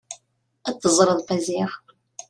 Ad tẓer Maziɣ.